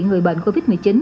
người bệnh covid một mươi chín